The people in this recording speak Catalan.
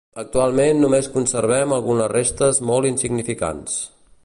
Actualment només conservem algunes restes molt insignificants.